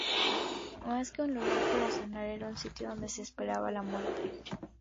Más que un lugar para sanar, era un sitio donde se esperaba la muerte.